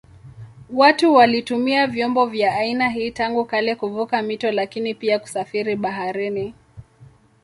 Watu walitumia vyombo vya aina hii tangu kale kuvuka mito lakini pia kusafiri baharini.